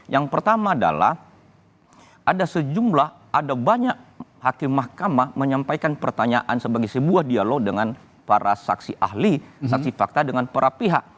yang pertama adalah ada banyak hakim mahkamah menyampaikan pertanyaan sebagai sebuah dialog dengan para saksi ahli saksi fakta dengan para pihak